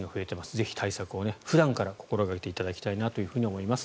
ぜひ、対策を普段から心掛けていただきたいと思います。